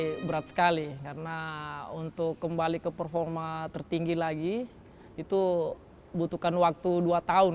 ini berat sekali karena untuk kembali ke performa tertinggi lagi itu butuhkan waktu dua tahun